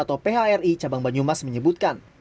atau phri cabang banyumas menyebutkan